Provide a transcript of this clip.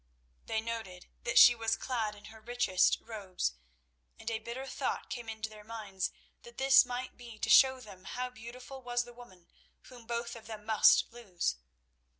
They noted that she was clad in her richest robes, and a bitter thought came into their minds that this might be to show them how beautiful was the woman whom both of them must lose.